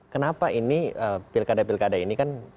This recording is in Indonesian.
kenapa ini pilkada pilkada ini kan